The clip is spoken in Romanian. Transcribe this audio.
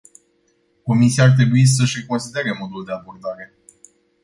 Comisia ar trebui să-și reconsidere modul de abordare.